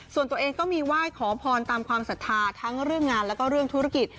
ส่วนตัวเองก็มีไหว้ขอพรตามความศรัทธาทั้งเรื่องงานแล้วก็เรื่องธุรกิจ